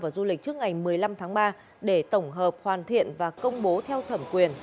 và du lịch trước ngày một mươi năm tháng ba để tổng hợp hoàn thiện và công bố theo thẩm quyền